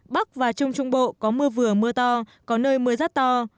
bắc và trung trung bộ có mưa vừa mưa to có nơi mưa rất to